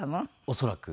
恐らく。